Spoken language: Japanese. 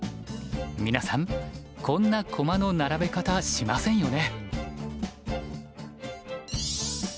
皆さんこんな駒の並べ方しませんよね。